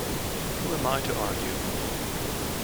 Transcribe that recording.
Who am I to argue?